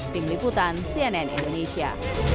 tim liputan cnn indonesia